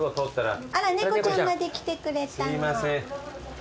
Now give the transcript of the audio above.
あら猫ちゃんまで来てくれたの。